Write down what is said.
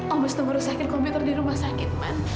om harus nunggu rusakin komputer di rumah sakit man